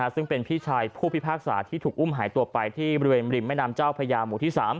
ซึ่งเป็นพี่ชายผู้พิพากษาที่ถูกอุ้มหายตัวไปที่บริเวณริมแม่น้ำเจ้าพญาหมู่ที่๓